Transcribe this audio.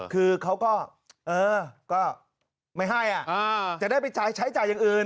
คือเขาก็เออก็ไม่ให้จะได้ไปใช้จ่ายอย่างอื่น